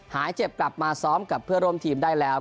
หายเจ็บกลับมาซ้อมกับเพื่อร่วมทีมได้แล้ว